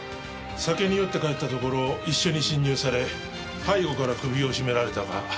酒に酔って帰ったところを一緒に侵入され背後から首を絞められたか。